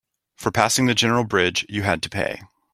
For passing the general bridge, you had to pay.